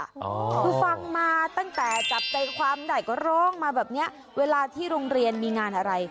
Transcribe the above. คือฟังมาตั้งแต่จับใจความได้ก็ร้องมาแบบนี้เวลาที่โรงเรียนมีงานอะไร